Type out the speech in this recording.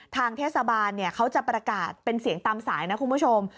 ทางเทศบาลเขาจะประกาศเป็นเสียงตามสายนะคุณผู้ชม